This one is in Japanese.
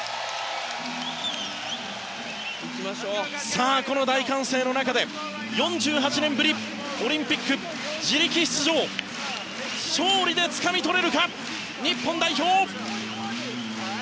さあ、この大歓声の中で４８年ぶりオリンピック自力出場勝利でつかみ取れるか日本代表！